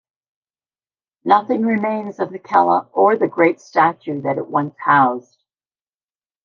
Nothing remains of the cella or the great statue that it once housed.